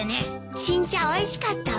新茶おいしかったわ。